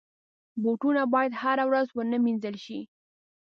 بوټونه باید هره ورځ ونه وینځل شي.